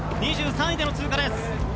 ２３位での通過。